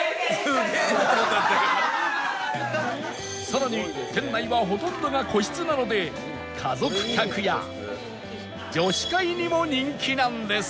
さらに店内はほとんどが個室なので家族客や女子会にも人気なんです